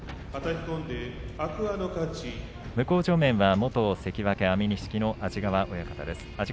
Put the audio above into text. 向正面は元関脇安美錦の安治川親方です。